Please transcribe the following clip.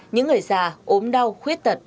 những người già ốm đau khuyết tật